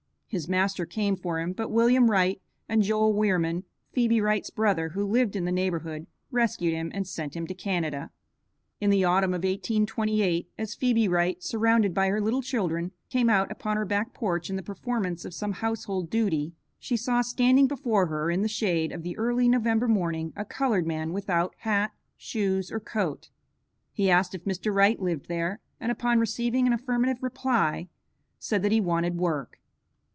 His master came for him, but William Wright and Joel Wierman, Phebe Wright's brother, who lived in the neighborhood, rescued him and sent him to Canada. In the autumn of 1828, as Phebe Wright, surrounded by her little children, came out upon her back porch in the performance of some household duty, she saw standing before her in the shade of the early November morning, a colored man without hat, shoes, or coat. He asked if Mr. Wright lived there, and upon receiving an affirmative reply, said that he wanted work.